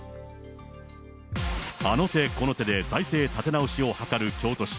あの手この手で財政立て直しを図る京都市。